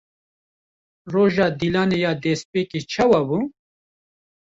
Roja Dîlanê ya destpêkê çawa bû?